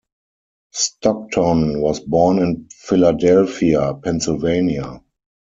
Stockton was born in Philadelphia, Pennsylvania.